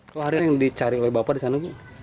kelarian yang dicari oleh bapak di sana